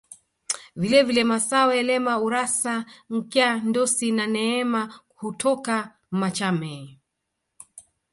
Vile vile Massawe Lema Urassa Nkya Ndosi na Meena hutoka Machame